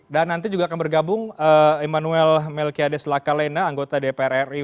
dan nanti juga akan bergabung emanuel melkiades lakalena anggota dprr